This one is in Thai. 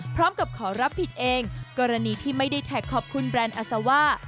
พร้อมกับขอรับผิดเองกรณีที่ไม่ได้แท็กขอบคุณแบรนด์อาซาว่า